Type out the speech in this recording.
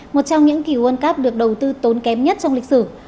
một trong những kỳ world cup được đầu tư tốn kém nhất trong lịch sử